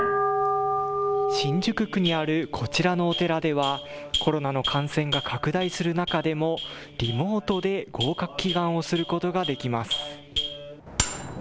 新宿区にあるこちらのお寺ではコロナの感染が拡大する中でもリモートで合格祈願をすることができます。